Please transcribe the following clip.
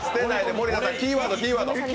森田さん、キーワード、キーワード。